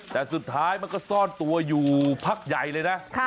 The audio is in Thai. แต่สุดท้ายมันก็ซ่อนตัวอยู่พักใหญ่เลยนะ